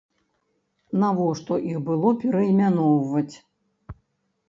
Навошта іх было пераймяноўваць?!